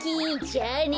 じゃあね。